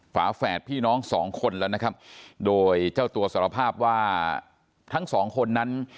ฝาแฝดพี่น้องสองคนแล้วนะครับโดยเจ้าตัวสารภาพว่าทั้งสองคนนั้น